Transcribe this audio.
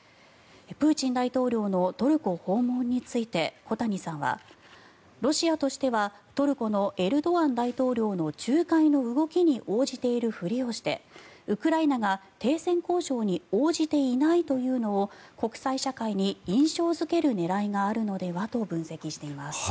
プーチン大統領のトルコ訪問について小谷さんはロシアとしてはトルコのエルドアン大統領の仲介の動きに応じているふりをしてウクライナが停戦交渉に応じていないというのを国際社会に印象付ける狙いがあるのではと分析しています。